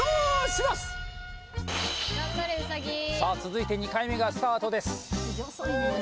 さあ続いて２回目がスタートです